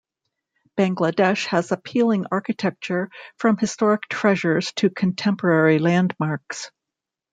Bangladesh has appealing architecture from historic treasures to contemporary landmarks.